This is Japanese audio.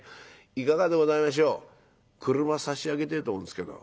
いかがでございましょう俥差し上げてえと思うんですけど」。